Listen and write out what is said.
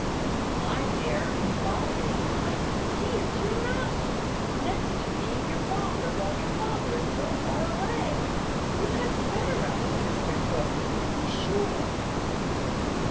"I dare, in holiday time. He is your master, next to being your father, while your father is so far away. You had better ask Mr Tooke, to be sure."